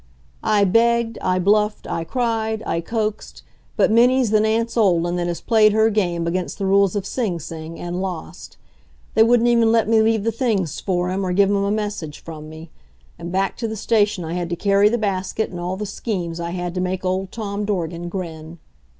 I begged, I bluffed, I cried, I coaxed, but many's the Nance Olden that has played her game against the rules of Sing Sing, and lost. They wouldn't even let me leave the things for him, or give him a message from me. And back to the station I had to carry the basket, and all the schemes I had to make old Tom Dorgan grin.